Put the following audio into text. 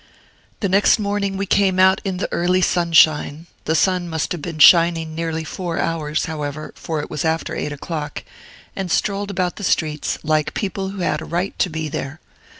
The next morning we came out in the early sunshine (the sun must have been shining nearly four hours, however, for it was after eight o'clock), and strolled about the streets, like people who had a right to be there.